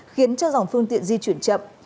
khiến cho dòng phương tiện di chuyển chậm